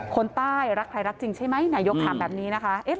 คนใต้รักใครรักจริงใช่ไหมนายกถามแบบนี้นะคะ